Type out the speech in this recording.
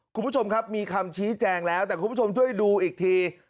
คุณผู้ชมครับมีคำชี้แจงแล้วแต่คุณผู้ชมช่วยดูอีกที